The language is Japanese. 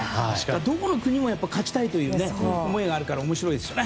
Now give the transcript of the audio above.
どこの国も勝ちたいという思いがあるから面白いですよね。